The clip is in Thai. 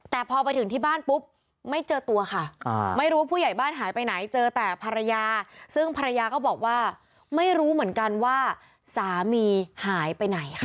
แต่ภรรยาซึ่งภรรยาก็บอกว่าไม่รู้เหมือนกันว่าสามีหายไปไหนค่ะ